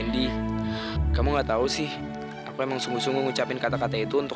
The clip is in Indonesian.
di kamu nggak tahu sih aku emang sungguh sungguh ngucapin kata kata itu untuk